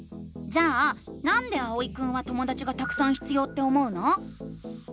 じゃあ「なんで」あおいくんはともだちがたくさん必要って思うの？